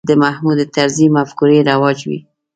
د محمود طرزي مفکورې رواج وې.